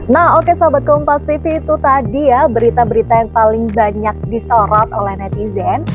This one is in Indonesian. nah oke sahabat kompas tv itu tadi ya berita berita yang paling banyak disorot oleh netizen